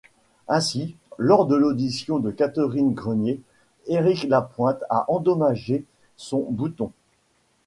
Ainsi, lors de l'audition de Catherine Grenier, Éric Lapointe a endommagé son bouton.